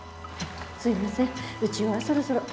すいませんうちはそろそろ。